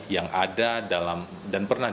yang ada dalam dan pernah